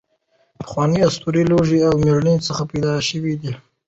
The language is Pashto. پخوانۍ اسطورې له لوږې او مړینې څخه پیدا شوې دي.